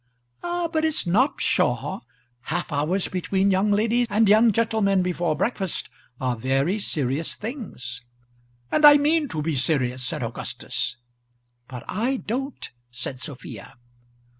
"Ah, but it's not psha! Half hours between young ladies and young gentlemen before breakfast are very serious things." "And I mean to be serious," said Augustus. "But I don't," said Sophia.